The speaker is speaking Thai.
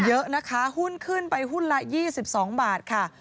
เยอะนะคะหุ้นขึ้นไปหุ้นละ๒๒บาทค่ะ